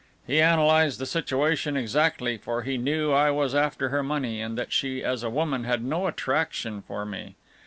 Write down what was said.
He analysed the situation exactly, for he knew I was after her money, and that she as a woman had no attraction for me.